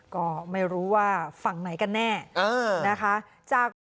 ก็ไม่รู้ว่าฝั่งไหนกันแน่นะคะ